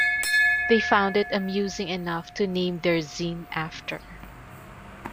They found it amusing enough to name their zine after.